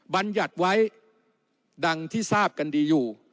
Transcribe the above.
บรรยัติไว้ดังที่ทราบกันดีอยู่